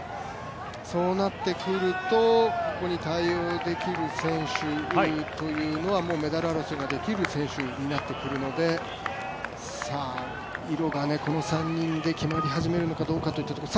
そうなってくると、ここに対応できる選手というのはメダル争いができる選手になってくるので色がこの３人で決まり始めるのかといったところ。